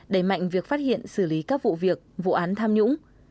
đẩy mạnh việc phát hiện xử lý các vụ việc vụ án tham nhũng